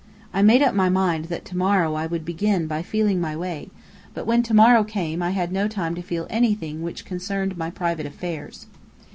I made up my mind that to morrow I would begin by feeling my way, but when to morrow came I had no time to feel anything which concerned my private affairs.